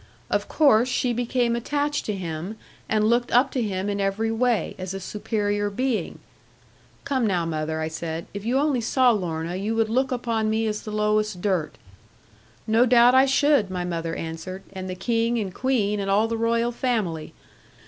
Of course, she became attached to him, and looked up to him in every way, as a superior being' 'Come now, mother,' I said; 'if you only saw Lorna, you would look upon me as the lowest dirt' 'No doubt I should,' my mother answered; 'and the king and queen, and all the royal family.